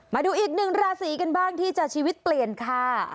มาดูอีกหนึ่งราศีกันบ้างที่จะชีวิตเปลี่ยนค่ะ